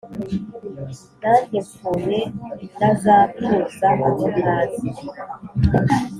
Nanjye mpfuye nazatuza aho ntazi